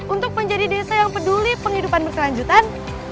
untuk menjadi desa yang peduli penghidupan berkelanjutan